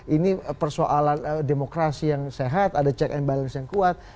ini persoalan demokrasi yang sehat ada check and balance yang kuat